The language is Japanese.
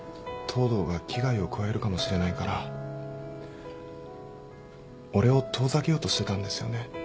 藤堂が危害を加えるかもしれないから俺を遠ざけようとしてたんですよね。